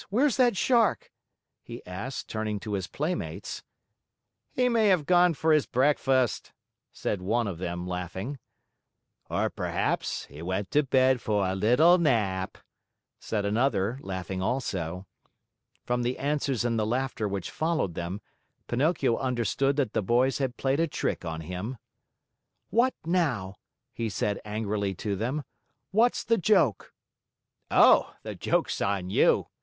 Where's that Shark?" he asked, turning to his playmates. "He may have gone for his breakfast," said one of them, laughing. "Or, perhaps, he went to bed for a little nap," said another, laughing also. From the answers and the laughter which followed them, Pinocchio understood that the boys had played a trick on him. "What now?" he said angrily to them. "What's the joke?" "Oh, the joke's on you!"